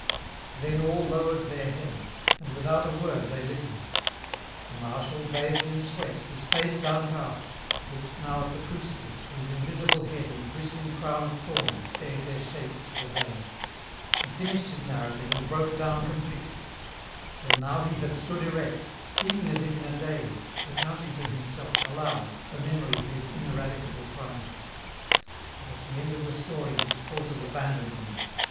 Then all lowered their heads, and without a word they listened. The Marshal, bathed in sweat, his face downcast, looked now at the crucifix whose invisible head and bristling crown of thorns gave their shapes to the veil. He finished his narrative and broke down completely. Till now he had stood erect, speaking as if in a daze, recounting to himself, aloud, the memory of his ineradicable crimes. But at the end of the story his forces abandoned him.